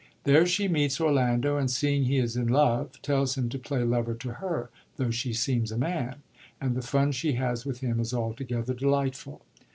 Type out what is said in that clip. There she meets Orlando, and seeing he is in love, tells him to play lover to her, tho' she seems a man ; and the fun she has with him is altogether delightful.